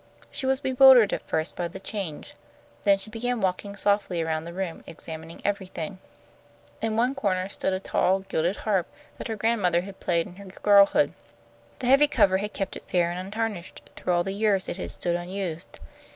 She was bewildered at first by the change. Then she began walking softly around the room, examining everything. In one corner stood a tall, gilded harp that her grandmother had played in her girlhood. The heavy cover had kept it fair and untarnished through all the years it had stood unused.